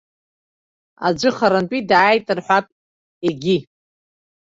Аӡәы харантәи дааит рҳәап, егьи.